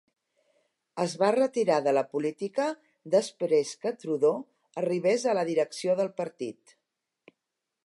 Es va retirar de la política després que Trudeau arribés a la direcció del partit.